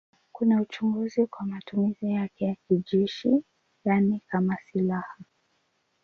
Kuna uchunguzi kwa matumizi yake ya kijeshi, yaani kama silaha.